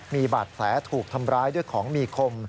มีบาดแผลถูกทำร้ายด้วยของมีคม